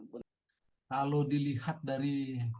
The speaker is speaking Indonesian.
kalau dilihat dari